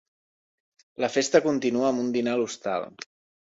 La festa continua amb un dinar a l'hostal.